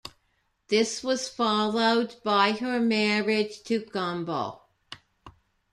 This was followed by her marriage to Gumble.